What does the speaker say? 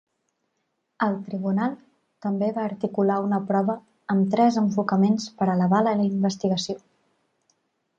El tribunal també va articular una prova amb tres enfocaments per elevar la investigació.